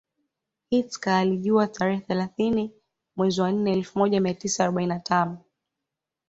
Hitker alijiua tarehe thelathini mwezi wa nne elfu moja mia tisa arobaini na tano